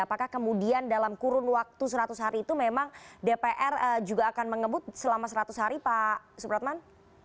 apakah kemudian dalam kurun waktu seratus hari itu memang dpr juga akan mengebut selama seratus hari pak supratman